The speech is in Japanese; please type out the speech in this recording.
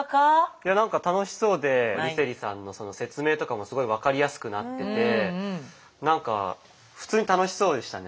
いやなんか楽しそうで梨星さんの説明とかもすごい分かりやすくなっててなんか普通に楽しそうでしたね。